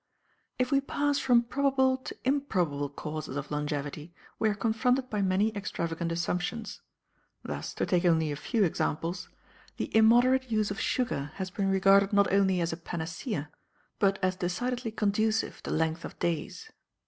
If we pass from probable to improbable causes of longevity we are confronted by many extravagant assumptions. Thus, to take only a few examples, the immoderate use of sugar has been regarded not only as a panacea, but as decidedly conducive to length of days.